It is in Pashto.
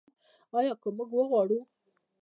آیا که موږ وغواړو؟